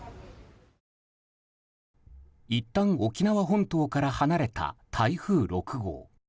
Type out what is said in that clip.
いったん沖縄本島から離れた台風６号。